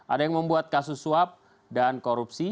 ada yang membuat kasus suap dan korupsi